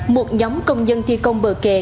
một nhóm công nhân thi công bờ kè